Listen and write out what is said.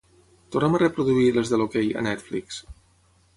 Torna'm a reproduir "Les de l'hoquei" a Netflix.